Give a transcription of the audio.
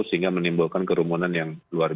sehingga menimbulkan kerumunan